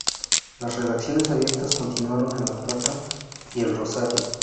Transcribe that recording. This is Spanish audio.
Las redacciones abiertas continuaron en La Plata, y en Rosario.